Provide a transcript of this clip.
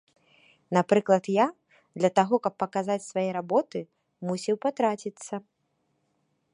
Напрыклад, я, для таго, каб паказаць свае работы, мусіў патраціцца.